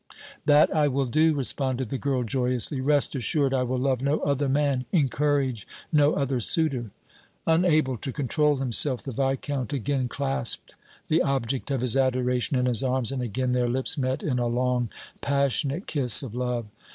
"That I will do," responded the girl, joyously. "Rest assured I will love no other man, encourage no other suitor!" Unable to control himself, the Viscount again clasped the object of his adoration in his arms, and again their lips met in a long, passionate kiss of love.